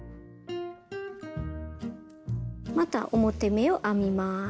また表目を編みます。